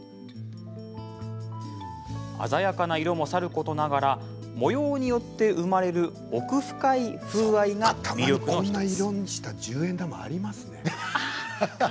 鮮やかな色もさることながら模様によって生まれる奥深い風合いが魅力の１つ。